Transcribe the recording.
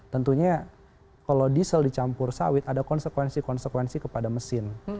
tentunya kalau diesel dicampur sawit ada konsekuensi konsekuensi kepada mesin